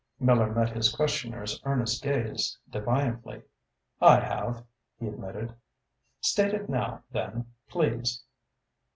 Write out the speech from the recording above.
Miller met his questioner's earnest gaze defiantly. "I have," he admitted. "State it now, then, please."